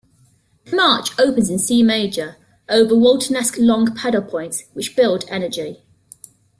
The march opens in C major over Waltonesque long pedal points, which build energy.